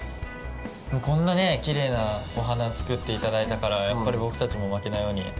こんなねきれいなお花作って頂いたからやっぱり僕たちも負けないように。